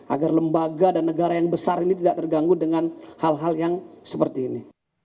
agar lembaga dan negara yang besar ini tidak terganggu dengan hal hal yang seperti ini